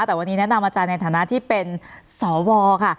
แต่วันนี้แนะนำอาจารย์ในฐานะที่เป็นสวค่ะ